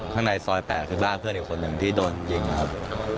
ข้างในซอย๘ที่บ้านเพื่อนอีกคนหนึ่งที่โดนยิงครับ